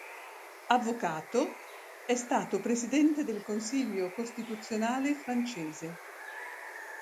Avvocato, è stato presidente del Consiglio costituzionale francese.